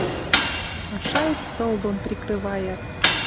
А шайыц тыл дон прикрываят